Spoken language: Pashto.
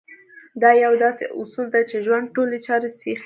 دا يو داسې اصول دی چې ژوند ټولې چارې سيخې شي.